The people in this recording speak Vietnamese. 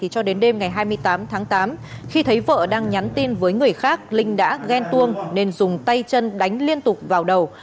cho đến đêm ngày hai mươi tám tháng tám khi thấy vợ đang nhắn tin với người khác linh đã ghen tuông nên dùng tay chân đánh liên tục vào đầu